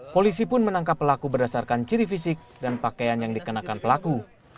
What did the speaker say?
polisi pun menangkap pelaku berdasarkan ciri fisik dan pakaian yang dikenakan pelaku